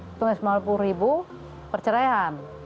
hitungan sembilan puluh ribu perceraian